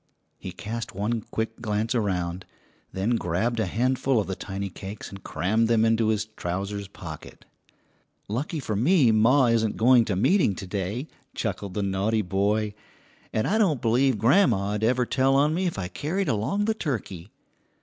He cast one quick glance around, then grabbed a handful of the tiny cakes and crammed them into his trousers' pocket. "Lucky for me ma isn't going to meeting to day," chuckled the naughty boy, "and I don't believe grandma'd ever tell on me if I carried along the turkey!"